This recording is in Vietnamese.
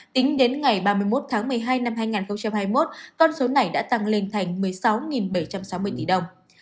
tính đến ngày ba mươi một tháng một mươi hai năm hai nghìn hai mươi một con số này đã tăng lên thành một mươi sáu bảy trăm sáu mươi tỷ đồng